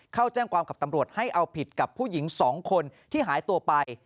เข้าแจ้งความกับตำรวจให้เอาผิดกับผู้หญิง๒คนที่หายตัวไป